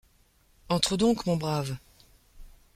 Entre donc, mon brave !